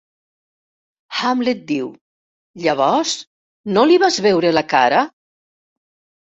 Hamlet diu: "Llavors no li vas veure la cara?"